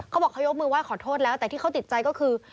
เขาบอกเขายกมือไห้ขอโทษแล้วแต่ที่เขาติดใจก็คือ